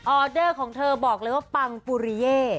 อเดอร์ของเธอบอกเลยว่าปังปุริเย่